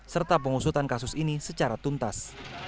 serta pengusutan kasus ini secara tuntas